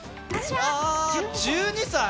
１２歳！？